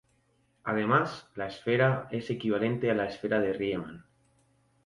Además, la esfera es equivalente a la esfera de Riemann.